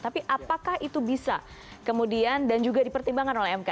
tapi apakah itu bisa kemudian dan juga dipertimbangkan oleh mk